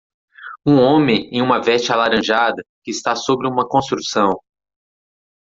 Um homem em uma veste alaranjada que está sobre uma construção.